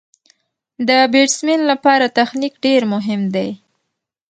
د بېټسمېن له پاره تخنیک ډېر مهم دئ.